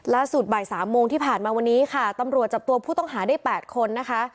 ล่าสุดบ่ายสามโมงที่ผ่านมาวันนี้ค่ะตำรวจจับตัวผู้ต้องหาได้๘คนนะคะ